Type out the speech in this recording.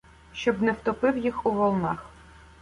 Щоб не втопив їх у волнах.